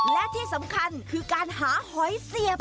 และที่สำคัญคือการหาหอยเสียบ